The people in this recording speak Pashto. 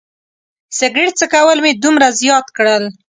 سګرټ څکول مې دومره زیات کړل.